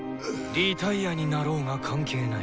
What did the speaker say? リタイアになろうが関係ない。